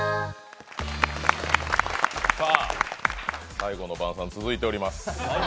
最後の晩餐、続いております。